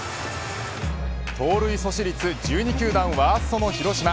盗塁阻止率１２球団ワーストの広島。